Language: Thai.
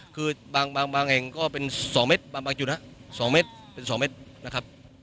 คือบางแห่งก็เป็นสองเม็ดบางจุดครับสองเม็ดเป็นสองเม็ดนะครับ